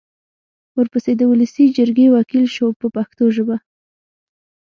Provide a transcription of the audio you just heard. ورپسې د ولسي جرګې وکیل شو په پښتو ژبه.